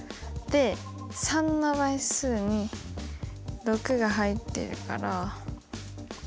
で３の倍数に６が入ってるから。